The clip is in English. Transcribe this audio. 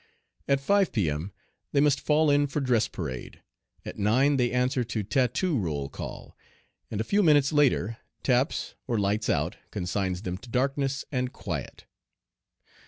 At 5 P.M. they must fall in for dress parade; at 9 they answer to 'tattoo' roll call, and a few minutes later 'taps' or 'lights out' consigns them to darkness and quiet.